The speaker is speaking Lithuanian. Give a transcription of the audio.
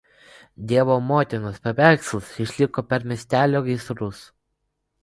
Dievo Motinos paveikslas išliko per miestelio gaisrus.